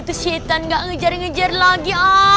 itu si etan gak ngejar ngejar lagi